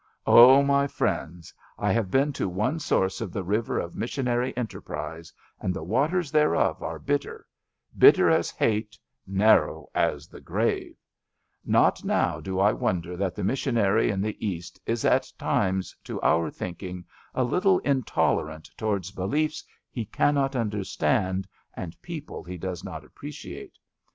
Oh, my friends, I have been to one source of the river of missionary enterprise, and the waters thereof are bitter — ^bitter as hate, narrow as the grave I Not now do I wonder that the missionary in the East is at times, to our thinking, a little intolerant towards beliefs he cannot understand and people he does not appreciate.